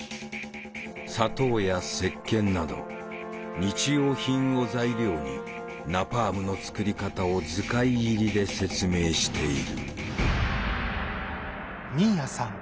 砂糖やせっけんなど日用品を材料にナパームの作り方を図解入りで説明している。